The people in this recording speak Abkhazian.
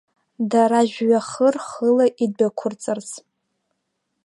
Дара жәҩахыр-хыла идәықәырҵарц.